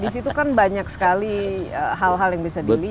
di situ kan banyak sekali hal hal yang bisa dilihat